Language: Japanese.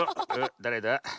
だれだ？